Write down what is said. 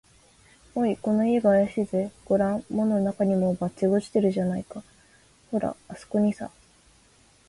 「おい、この家があやしいぜ。ごらん、門のなかにも、バッジが落ちているじゃないか。ほら、あすこにさ」